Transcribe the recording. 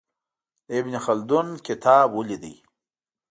د ابن خلدون کتاب ولید.